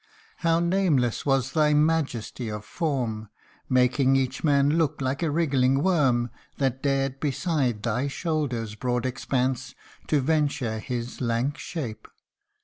How nameless was thy majesty of form, Making each man look like a wriggling worm, That dared beside thy shoulders' broad expanse To venture his lank shape.